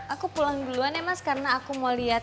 aku pulang duluan ya mas karena aku mau lihat